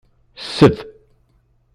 Ssed.